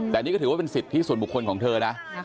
แต่นี่ก็ถือว่าเป็นสิทธิส่วนบุคคลของเธอนะ